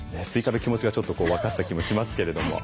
スイカの気持ちがちょっとこう分かった気もしますけれども。